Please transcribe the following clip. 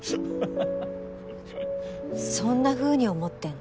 そんなふうに思ってんだ？